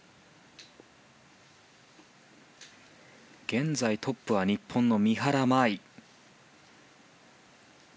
現在トップは日本の三原舞依。